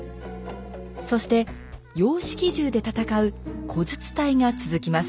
そして洋式銃で戦う「小銃隊」が続きます。